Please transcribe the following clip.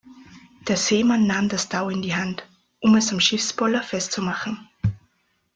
Der Seemann nahm das Tau in die Hand, um es am Schiffspoller festzumachen.